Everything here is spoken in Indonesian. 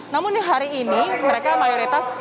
namun di hari ini mereka mayoritas